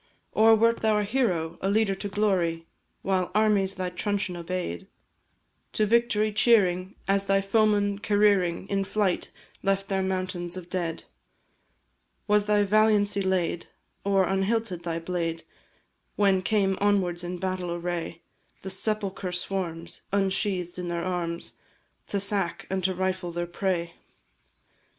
Or wert thou a hero, a leader to glory, While armies thy truncheon obey'd; To victory cheering, as thy foemen careering In flight, left their mountains of dead? Was thy valiancy laid, or unhilted thy blade, When came onwards in battle array The sepulchre swarms, ensheathed in their arms, To sack and to rifle their prey?